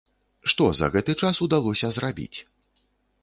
Што за гэты час удалося зрабіць?